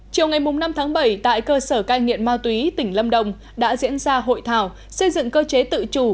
chiều ngày năm tháng bảy tại cơ sở cai nghiện ma túy tỉnh lâm đồng đã diễn ra hội thảo xây dựng cơ chế tự chủ